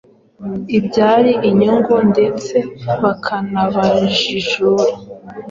ibyara inyungu ndetse bakanabajijura.